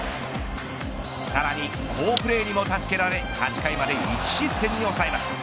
さらに好プレーにも助けられ８回まで１失点に抑えます。